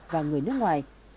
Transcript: và người nước ngoài